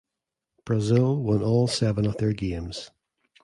Brazil won all seven of their games.